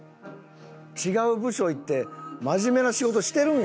違う部署行って真面目な仕事してるんやろ？